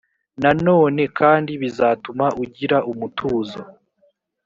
nanone kandi bizatuma ugira umutuzo,